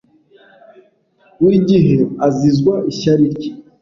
Buri gihe azizwa ishyari rye